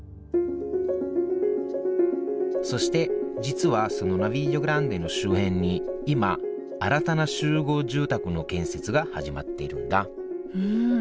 そして実はそのナヴィリオ・グランデの周辺に今新たな集合住宅の建設が始まっているんだうん